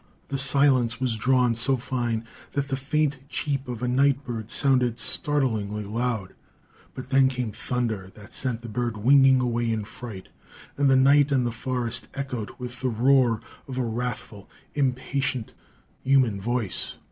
The silence was drawn so fine that the faint cheep of a night bird sounded startlingly loud. But then came thunder that sent the bird winging away in fright, and the night and the forest echoed with the roar of a wrathful, impatient human voice.